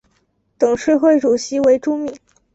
董事会主席为朱敏。